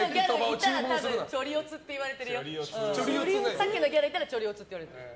さっきのギャルいたらチョリおつって言われてるよ。